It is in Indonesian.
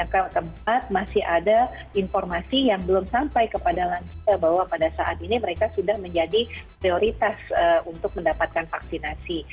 yang keempat masih ada informasi yang belum sampai kepada lansia bahwa pada saat ini mereka sudah menjadi prioritas untuk mendapatkan vaksinasi